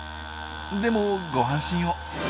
でもご安心を。